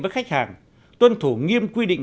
với khách hàng tuân thủ nghiêm quy định